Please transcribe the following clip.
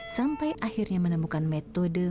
sampai akhirnya menemukan metode